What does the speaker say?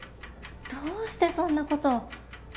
どうしてそんな事を。